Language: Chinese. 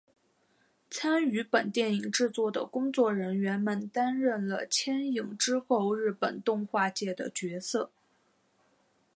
参与本电影制作的工作人员们担任了牵引之后日本动画界的角色。